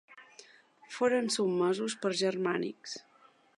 Foren sotmesos per Germànic.